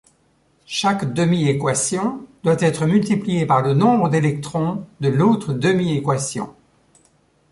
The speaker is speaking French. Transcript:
Chaque demi-équation doit être multipliée par le nombre d'électrons de l'autre demi-équation.